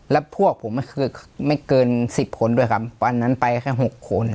แล้วพวกผมก็คือไม่เกินสิบคนด้วยครับวันนั้นไปแค่หกคน